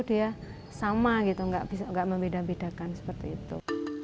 dia sama gitu nggak membeda bedakan seperti itu